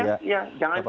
iya iya jangan juga